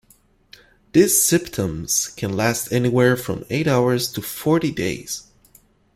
These symptoms can last anywhere from eight hours to forty days.